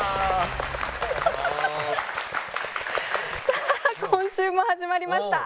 さあ今週も始まりました